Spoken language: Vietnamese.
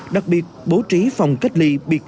đặc biệt bố trí phòng cách ly biệt lạc